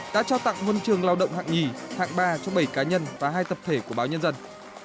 đã trao tặng huân trường lao động hạng nhì hạng ba cho bảy cá nhân và hai tập thể của báo nhân dân